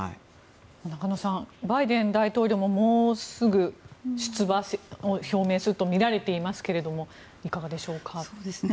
中野さんバイデン大統領ももうすぐ出馬を表明するとみられていますがいかがでしょうか。